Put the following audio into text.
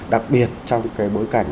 đặc biệt trong cái bối cảnh